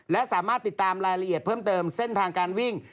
และสามารถติดตามรายละเอียดเพิ่มเติมเส้นทางการวิ่ง